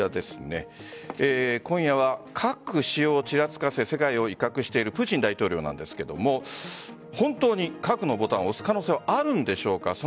今夜は核使用をちらつかせ世界を威嚇しているプーチン大統領なんですが本当に核のボタンを押す可能性はあるんでしょうか